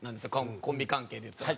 コンビ関係でいったら。